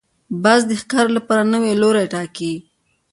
باز د ښکار لپاره نوی لوری ټاکي